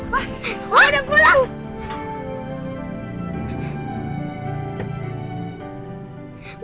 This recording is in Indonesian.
wah udah pulang